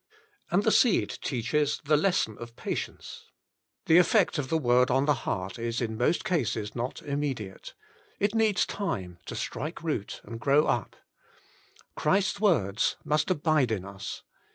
And the seed teaches the Lesson of Patience. The effect of the Word on the heart is in most cases not immediate. It needs time to strike root, and grow up: Christ's words must abide in us.